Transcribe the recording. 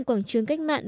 quảng trường cách mạng